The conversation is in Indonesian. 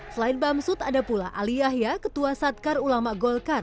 selain bamsud ada pula ali yahya ketua satkar ulama golkar